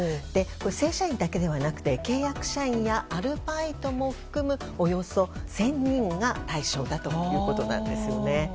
正社員だけではなくて契約社員やアルバイトも含むおよそ１０００人が対象だということなんです。